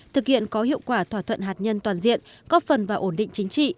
thực hiện có hiệu quả thỏa thuận hạt nhân toàn diện góp phần và ổn định chính trị